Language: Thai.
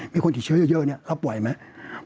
มีคนที่เชื้อเยอะรับไหวไหม